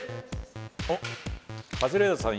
おっカズレーザーさん